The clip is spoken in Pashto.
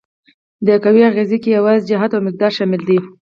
د قوې اغیزې کې یوازې جهت او مقدار شامل دي؟